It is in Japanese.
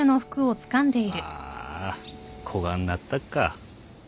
あーあこがんなったっか。